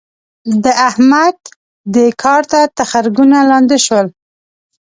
د احمد؛ دې کار ته تخرګونه لانده شول.